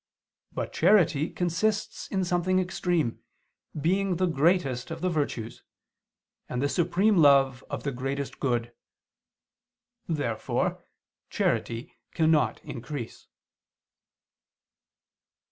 But charity consists in something extreme, being the greatest of the virtues, and the supreme love of the greatest good. Therefore charity cannot increase.